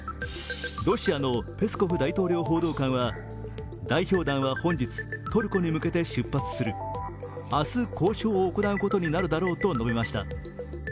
ロシアのペスコフ大統領報道官は代表団は本日、トルコに向けて出発する、明日、交渉を行うことになるだろうと述べました。